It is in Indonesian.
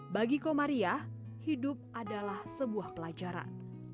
bagi komariah hidup adalah sebuah pelajaran